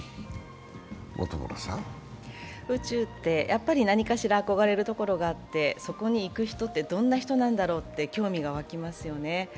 宇宙ってやっぱり何かしら憧れるところがあってそこに行く人ってどんな人だろうって興味が湧きますよね。